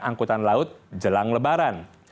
angkutan laut jelang lebaran